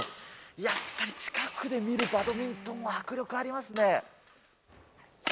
やっぱり近くで見るバドミントンは迫力ありますね。